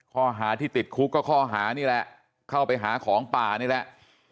ข้อหาที่ติดคุกก็ข้อหานี่แหละเข้าไปหาของป่านี่แหละ